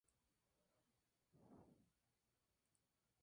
Juan Luis Espejo.